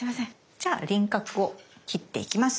じゃあ輪郭を切っていきます。